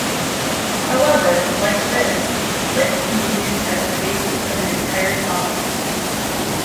However, like riffs, licks can be used as the basis of an entire song.